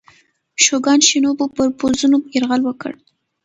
شوګان شینوبو پر پوځونو یرغل وکړ.